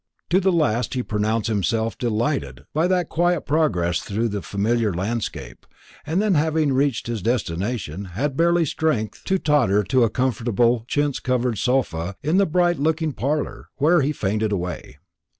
To the last he pronounced himself delighted by that quiet progress through the familiar landscape; and then having reached his destination, had barely strength to totter to a comfortable chintz covered sofa in the bright looking parlour, where he fainted away.